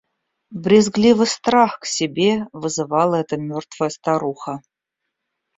Брезгливый страх к себе вызывала эта мертвая старуха.